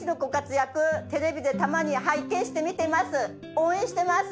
応援してます。